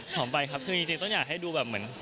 หอมไปครับอย่างจริงต้องอย่าให้ดูแบบเหมือน